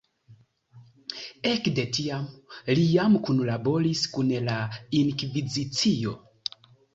Ekde tiam li jam kunlaboris kun la Inkvizicio.